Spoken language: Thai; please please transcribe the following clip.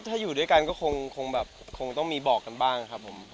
ถ้าอยู่ด้วยกันก็คงแบบคงต้องมีบอกกันบ้างครับผม